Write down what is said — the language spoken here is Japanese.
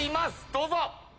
どうぞ！